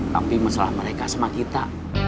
tapi masalah mereka sama kita